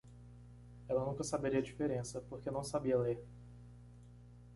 Ela nunca saberia a diferença? porque não sabia ler.